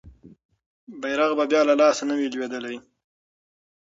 بیرغ به بیا له لاسه نه وي لویدلی.